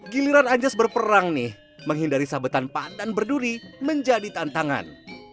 giliran anjas berperang nih menghindari sabetan pandan berduri menjadi tantangan